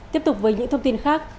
tiếp tục với những thông tin khác